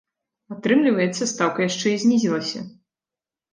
Атрымліваецца, стаўка яшчэ і знізілася!